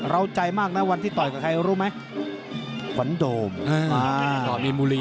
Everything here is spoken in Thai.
ราวใจมากนะวันที่ต่อกับใครรู้ไหม